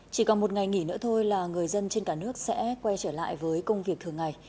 chỉ còn một ngày nghỉ nữa thôi là người dân trên cả nước sẽ quay trở lại với công việc thường ngày